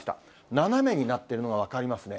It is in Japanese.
斜めになっているのが分かりますね。